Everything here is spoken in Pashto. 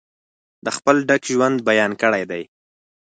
د خپل ډک ژوند بیان کړی دی.